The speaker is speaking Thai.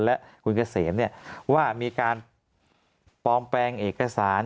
และคุณเกษมว่ามีการปลอมแปลงเอกสาร